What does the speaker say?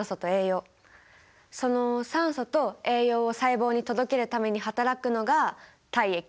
その酸素と栄養を細胞に届けるためにはたらくのが体液。